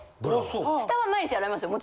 下は毎日洗いますよ